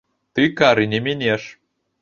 Ты кары не мінеш!